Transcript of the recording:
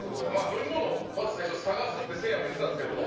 飲み物をまず最初探すってせいやも言ってたんですけども